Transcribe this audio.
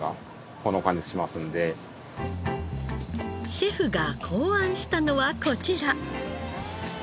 シェフが考案したのはこちら。